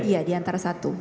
iya di antara satu